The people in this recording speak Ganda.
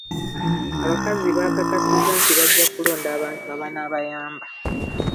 Abakazi baakakasizza nti bajja kulonda abantu abanaabayamba.